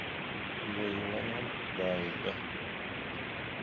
Dejojam, Daiga!